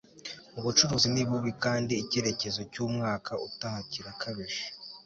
ubucuruzi ni bubi, kandi icyerekezo cyumwaka utaha kirakabije